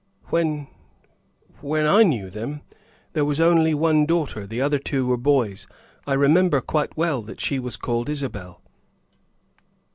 "When when I knew them, there was only one daughter; the other two were boys; I remember quite well that she was called Isabel."